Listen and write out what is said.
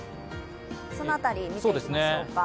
その辺り、見ていきましょうか。